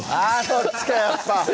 そっちかやっぱ！